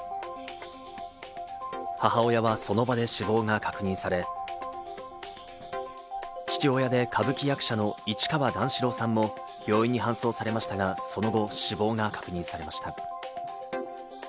母親はその場で死亡が確認され、父親で歌舞伎役者の市川段四郎さんも病院に搬送されましたが、その後、死亡が確認されました。